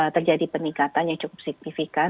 terjadi peningkatan yang cukup signifikan